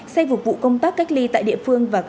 xây phục vụ công tác cách ly tại địa phương